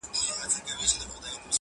• زما یې مات کړل په یوه ګوزار هډوکي ,